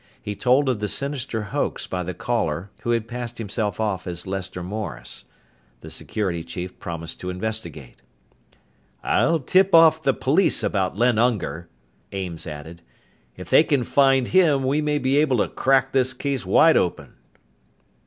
He told of the sinister hoax by the caller who had passed himself off as Lester Morris. The security chief promised to investigate. "I'll tip off the police about Len Unger," Ames added. "If they can find him, we may be able to crack this case wide open."